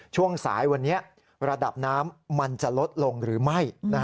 ช่วงสายวันนี้ระดับน้ำมันจะลดลงหรือไม่